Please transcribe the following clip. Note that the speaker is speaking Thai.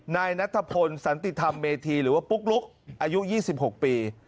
นายนัทพลสันติธรรมเมธีหรือว่าปุ๊กลุ๊กอายุ๒๖ปี